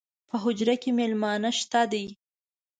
پۀ حجره کې میلمانۀ شته دي